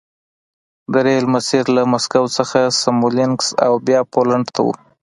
د ریل مسیر له مسکو څخه سمولینکس او بیا پولنډ ته و